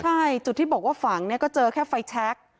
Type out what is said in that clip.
ใช่จุดที่บอกว่าฝังเนี่ยก็เจอแค่ไฟแชค